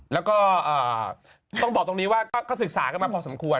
แล้วก็ต้องบอกตรงนี้ว่าก็ศึกษากันมาพอสมควร